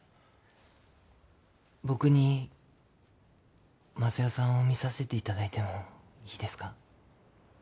僕に昌代さんを診させていただいてもいいですか？